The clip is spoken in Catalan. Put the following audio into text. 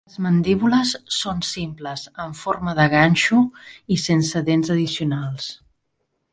Les mandíbules són simples, en forma de ganxo i sense dents addicionals.